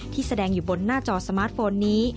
แสดงอยู่บนหน้าจอสมาร์ทโฟนนี้